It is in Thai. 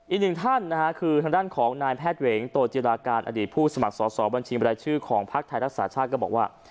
อีกหนึ่งท่านนะฮะคือทางด้านของนายแพทย์เหวงโตจิราการอดีตผู้สมัครสอบบัญชีบรายชื่อของภักดิ์ไทยรักษาชาติก็บอกว่า